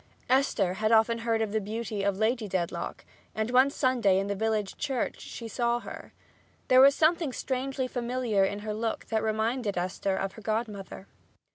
Esther had often heard of the beauty of Lady Dedlock, and one Sunday in the village church she saw her. There was something strangely familiar in her look that reminded Esther of her godmother.